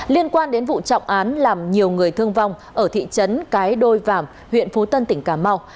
liên quan đến vụ trọng án làm nhiều người thương vong ở thị trấn cái đôi vàm huyện phú tân tỉnh cà mau